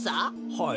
はい。